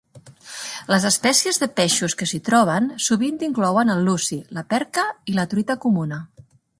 Les espècies de peixos que s'hi troben sovint inclouen el luci, la perca i la truita comuna.